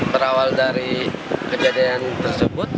berawal dari kejadian tersebut